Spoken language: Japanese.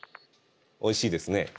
おいしいですね。